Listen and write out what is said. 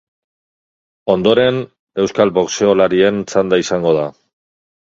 Ondoren, euskal boxeolarien txanda izango da.